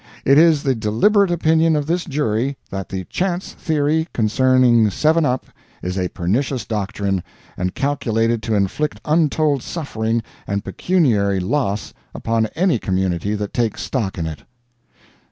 It is the deliberate opinion of this jury, that the "chance" theory concerning seven up is a pernicious doctrine, and calculated to inflict untold suffering and pecuniary loss upon any community that takes stock in it.